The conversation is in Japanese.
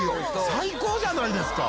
最高じゃないですか」